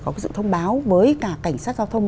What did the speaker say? có sự thông báo với cả cảnh sát giao thông